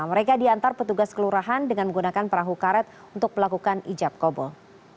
mereka diantar petugas kelurahan dengan menggunakan perahu karet untuk melakukan ijab kobol